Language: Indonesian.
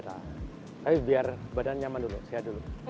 tapi biar badan nyaman dulu sehat dulu